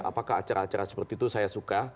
apakah acara acara seperti itu saya suka